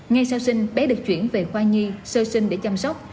ngay sau sinh bé được chuyển về khoa nhi sơ sinh để chăm sóc